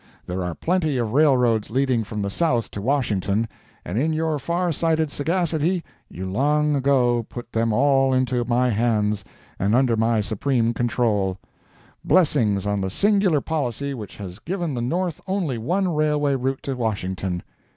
There are plenty of railroads leading from the South to Washington, and in your far sighted sagacity you long ago put them all into my hands, and under my supreme control. Blessings on the singular policy which has given the North only one railway route to Washington!